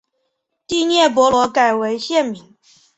第聂伯罗改为现名。